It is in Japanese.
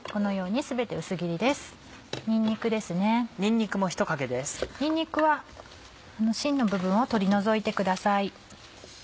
にんにくは芯の部分を取り除いてください。